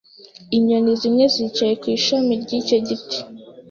Inyoni zimwe zicaye ku ishami ryicyo giti.